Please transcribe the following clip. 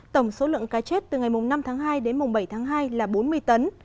tổng số lượng cá chết từ ngày năm tháng hai đến bảy tháng hai là bốn mươi tấn